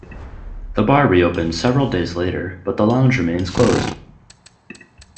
The bar reopened several days later but the lounge remains closed.